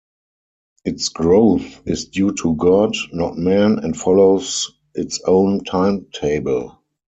Its growth is due to God, not man, and follows its own timetable.